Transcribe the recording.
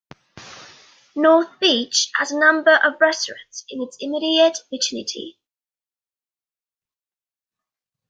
North Beach has a number of restaurants in its immediate vicinity.